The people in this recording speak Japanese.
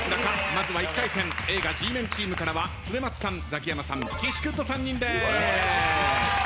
まずは１回戦映画Ｇメンチームからは恒松さんザキヤマさん岸君の３人。